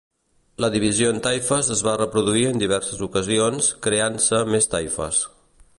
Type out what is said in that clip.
La divisió en taifes es va reproduir en diverses ocasions, creant-se més taifes.